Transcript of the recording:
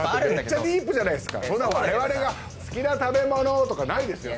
めっちゃディープじゃないっすかわれわれが「好きな食べ物」とかないですよ。